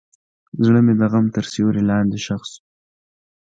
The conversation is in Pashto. زړه مې د غم تر سیوري لاندې ښخ شو.